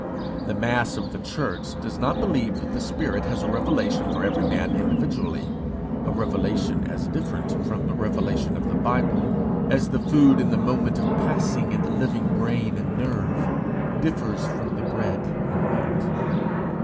The mass of the Church does not believe that the Spirit has a revelation for every man individually a revelation as different from the revelation of the Bible, as the food in the moment of passing into living brain and nerve differs from the bread and meat.